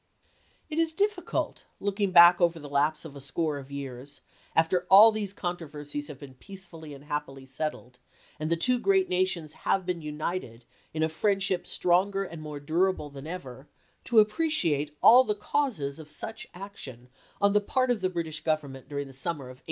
It is difficult, looking back over the lapse of a score of years, after all these controversies have been peacefully and happily settled, and the two gi'eat nations have been united in a friendship stronger and more durable than ever, to appre ciate aU the causes of such action on the part of the British Government during the summer of 1863.